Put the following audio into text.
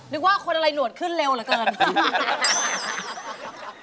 นึกว่าคนอะไรหลวดขึ้นเร็วเหลือเกิน